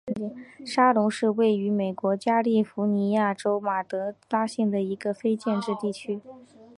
沙龙是位于美国加利福尼亚州马德拉县的一个非建制地区。